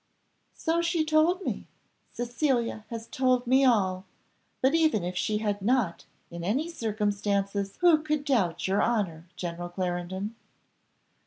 "So she told me, Cecilia has told me all; but even if she had not, in any circumstances who could doubt your honour, General Clarendon?"